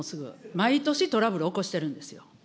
毎年トラブル起こしてるんですよ。